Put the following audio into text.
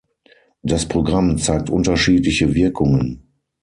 Das Programm zeigt unterschiedliche Wirkungen.